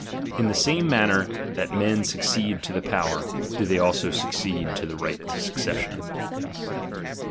In the same manner that men succeed to the power, do they also succeed to the right of successicn, 1.